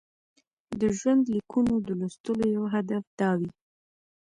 د ژوندلیکونو د لوستلو یو هدف دا وي.